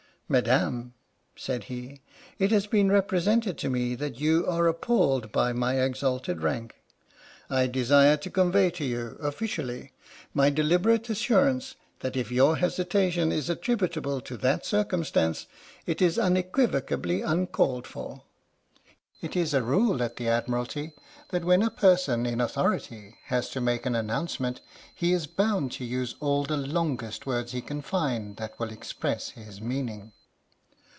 " Madam," said he, " it has been represented to me that you are appalled by my exalted rank. I desire to convey to you, officially, my deliberate assurance that if your hesitation is attributable to that circumstance, it is unequivocally uncalled for." 97 o H.M.S. "PINAFORE" It is a rule at the Admiralty that when a person in authority has to make an announcement he is bound to use all the longest words he can find that will express his meaning.